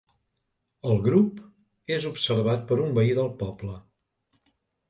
El grup és observat per un veí del poble.